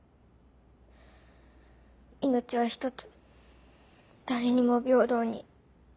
「命はひとつ誰にも平等に」。